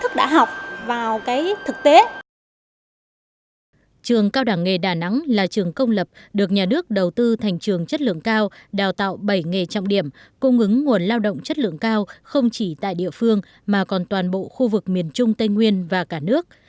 trường cao đẳng nghề đà nẵng là trường công lập được nhà nước đầu tư thành trường chất lượng cao đào tạo bảy nghề trọng điểm cung ứng nguồn lao động chất lượng cao không chỉ tại địa phương mà còn toàn bộ khu vực miền trung tây nguyên và cả nước